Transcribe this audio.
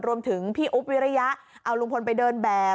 รวมถึงพี่อุ๊บวิริยะเอาลุงพลไปเดินแบบ